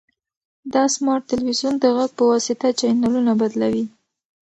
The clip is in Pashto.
دا سمارټ تلویزیون د غږ په واسطه چینلونه بدلوي.